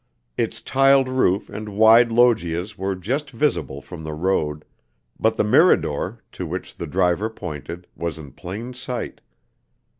Its tiled roof and wide loggias were just visible from the road; but the Mirador, to which the driver pointed, was in plain sight.